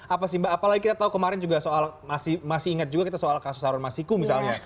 apa sih mbak apalagi kita tahu kemarin juga soal masih ingat juga kita soal kasus harun masiku misalnya